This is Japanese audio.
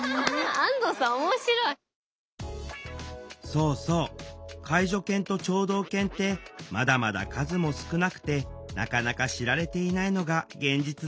そうそう介助犬と聴導犬ってまだまだ数も少なくてなかなか知られていないのが現実なの。